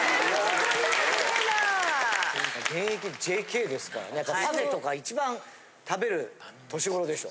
現役ＪＫですからねやっぱパフェとか一番食べる年頃でしょ？